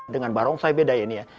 dengan barong saya beda ya ini ya